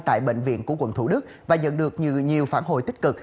tại bệnh viện của quận thủ đức và nhận được nhiều phản hồi tích cực